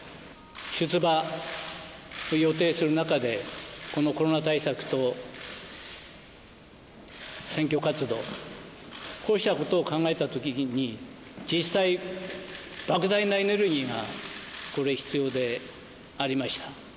出馬を予定する中で、コロナ対策と選挙活動、こうしたことを考えたときに、実際、莫大なエネルギーが必要でありました。